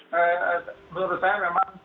menurut saya memang